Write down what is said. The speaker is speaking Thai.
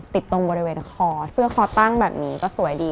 ตรงบริเวณคอเสื้อคอตั้งแบบนี้ก็สวยดี